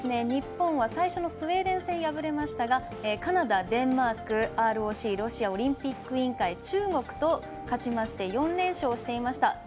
日本は最初のスウェーデン戦敗れましたがカナダ、デンマークＲＯＣ＝ロシアオリンピック委員会中国と勝ちまして４連勝していました。